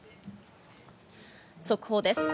速報です。